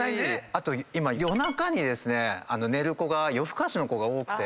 あと今夜中に寝る子が夜更かしの子が多くて。